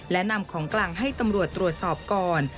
และนำของกลางให้ตำรวจตรวจสอบก่อน